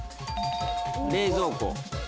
冷蔵庫。